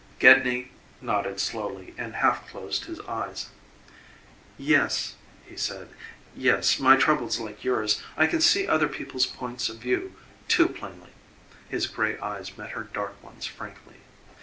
Gedney nodded slowly and half closed his eyes. "Yes," he said "yes, my trouble's like yours. I can see other people's points of view too plainly." His gray eyes met her dark ones frankly.